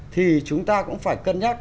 thì chúng ta cũng phải cân nhắc